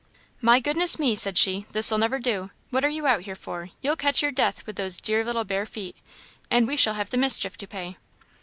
"My goodness me!" said she, "this'll never do. What are you out here for? you'll catch your death with those dear little bare feet, and we shall have the mischief to pay!"